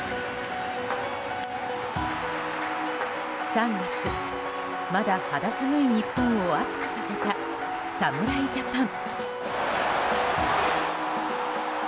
３月、まだ肌寒い日本を熱くさせた侍ジャパン。